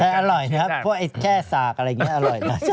อร่อยครับพวกไอ้แช่สากอะไรอย่างนี้อร่อยนะ